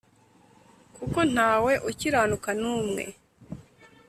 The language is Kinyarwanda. Kuko Ntawe ukiranuka n'umwe